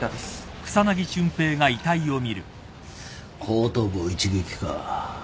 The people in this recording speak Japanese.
後頭部を一撃か。